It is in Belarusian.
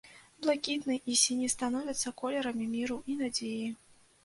Блакітны і сіні становяцца колерамі міру і надзеі.